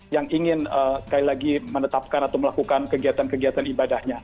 yang ingin sekali lagi menetapkan atau melakukan kegiatan kegiatan ibadahnya